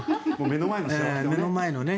目の前のね。